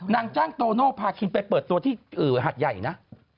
นางจ้างโตโน่พาคินไปเปิดตัวที่หัดใหญ่นะ